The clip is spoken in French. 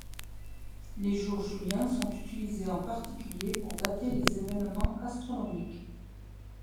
Les jours juliens sont utilisés en particulier pour dater les événements astronomiques.